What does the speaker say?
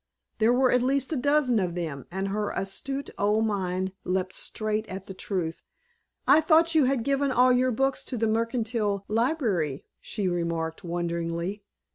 There were at least a dozen of them and her astute old mind leapt straight at the truth. "I thought you had given all your books to the Mercantile Library," she remarked wonderingly.